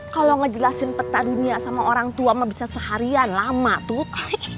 kalau ngejelasin peta dunia sama orang tua mah bisa seharian lama tuh